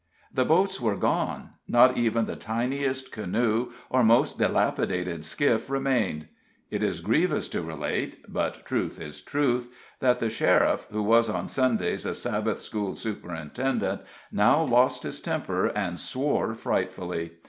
The boats were gone not even the tiniest canoe or most dilapidated skiff remained. It is grievous to relate but truth is truth that the sheriff, who was on Sundays a Sabbath school superintendent, now lost his temper and swore frightfully.